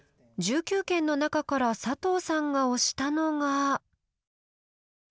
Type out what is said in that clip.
１９件の中から佐藤さんが推したのが。